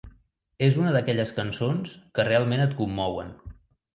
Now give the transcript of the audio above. És una d'aquelles cançons que realment et commouen.